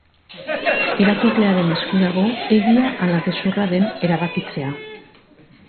Irakurlearen esku dago egia ala gezurra den erabakitzea.